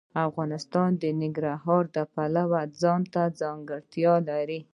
افغانستان د ننګرهار د پلوه ځانته ځانګړتیا لري.